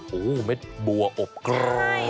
โหเม็ดบัวอบกรอบเลยนะ